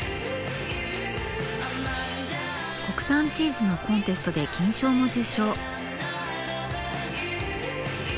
国産チーズのコンテストで金賞も受賞。